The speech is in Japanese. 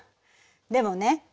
でもね